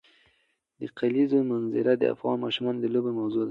د کلیزو منظره د افغان ماشومانو د لوبو موضوع ده.